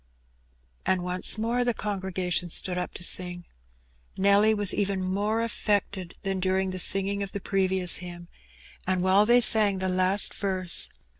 And once more the congregation stood up to sing. Nelly was even more affected than during the singing of the previous hymn, and while they sang the last verse — 72 Her BBNNt.